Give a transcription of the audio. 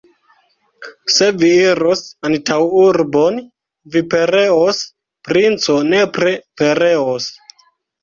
Se vi iros antaŭurbon, vi pereos, princo, nepre pereos!